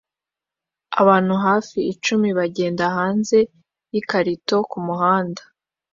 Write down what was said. abantu hafi icumi bagenda hanze yikarito kumuhanda